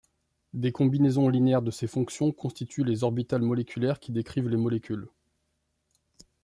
Des combinaisons linéaires de ces fonctions constituent les orbitales moléculaires qui décrivent les molécules.